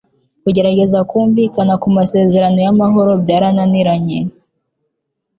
Kugerageza kumvikana ku masezerano y’amahoro byarananiranye.